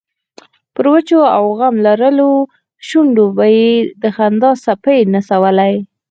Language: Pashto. پر وچو او غم لړلو شونډو به یې د خندا څپې نڅولې.